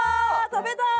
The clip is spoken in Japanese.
食べたい！